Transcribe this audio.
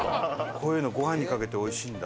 こういうのご飯にかけるとおいしいんだ。